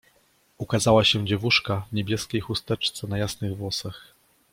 Ukazała się dziewuszka w niebieskiej chusteczce na jasnych włosach.